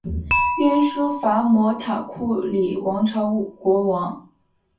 鸯输伐摩塔库里王朝国王。